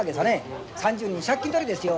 ３０人借金取りですよ。